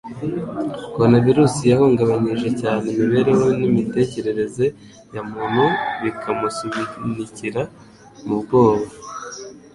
Coronavirus yahungabanyije cyane imibereho n'imitekerereze ya muntu bikamusunikira mu bwoba